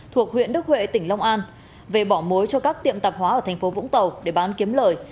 thuộc huyện đức huệ tỉnh long an về bỏ mối cho các tiệm tạp hóa ở thành phố vũng tàu để bán kiếm lời